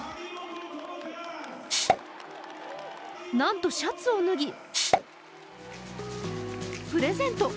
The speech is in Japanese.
なんとシャツを脱ぎ、プレゼント。